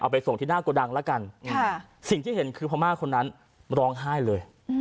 ไปส่งที่หน้าโกดังแล้วกันสิ่งที่เห็นคือพม่าคนนั้นร้องไห้เลย